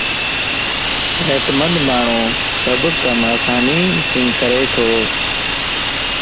صحتمند ماڻھو سڀ ڪم آسانيءَ سين ڪري تو.